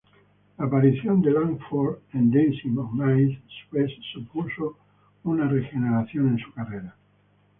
La aparición de Langford en "Dancing on Ice" supuso una regeneración en su carrera.